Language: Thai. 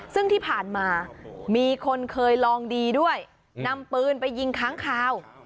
ซึ่งที่ผ่านมามีคนเคยลองดีด้วยนำปืนไปยิงค้างคาว